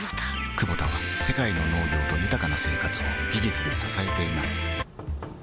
クボタは世界の農業と豊かな生活を技術で支えています起きて。